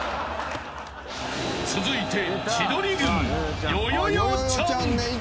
［続いて］